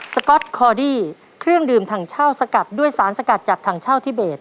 ก๊อตคอดี้เครื่องดื่มถังเช่าสกัดด้วยสารสกัดจากถังเช่าทิเบส